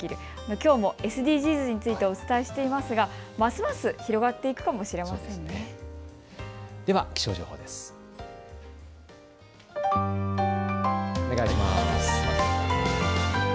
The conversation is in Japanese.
きょうもＳＤＧｓについてお伝えしていますがますます広がっていくかもしれませんね。